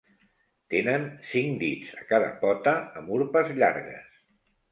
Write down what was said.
Tenen cinc dits, a cada pota, amb urpes llargues.